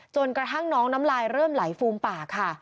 จนกระทั่งน้องน้ำลายเริ่มไหลฟูมปากค่ะ